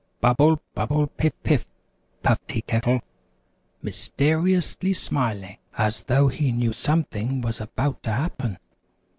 "Bubble! Bubble! Piff! Piff!" puffed Tea Kettle, mys ter i ous ly smiling as though he knew something was about to happen.